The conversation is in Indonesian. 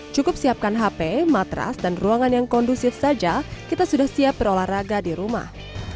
cukup siapkan hp matras dan ruangan yang kondusif saja kita sudah siap berolahraga di rumah